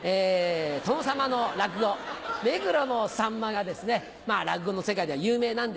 殿様の落語『目黒のさんま』が落語の世界では有名なんですが。